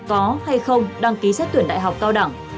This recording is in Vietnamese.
có hay không đăng ký xét tuyển đại học cao đẳng